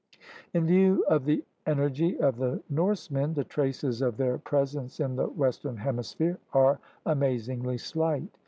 In view of the energy of the Norsemen, the traces of their presence in the Western Hemisphere are amazingly slight.